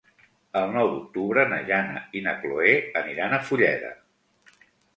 El nou d'octubre na Jana i na Chloé aniran a Fulleda.